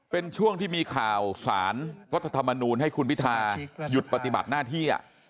เป็นช่วงที่มีข่าวสารรัฐธรรมนูลให้คุณพิทาหยุดปฏิบัติหน้าที่